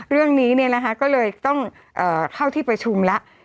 เรื่องนี้ก็เลยต้องเข้าที่ประชุมแล้ว